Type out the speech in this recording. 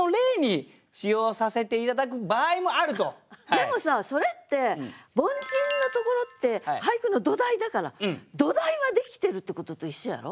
でもさそれって凡人のところって俳句の土台だから土台はできてるってことと一緒やろ？